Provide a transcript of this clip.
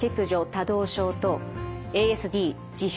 ・多動症とＡＳＤ自閉